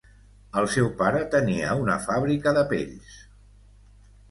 El seu pare tenia una fàbrica de pells.